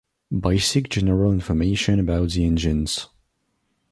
Basic general information about the engines.